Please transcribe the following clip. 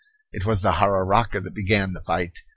It was the jararaca that began the fight.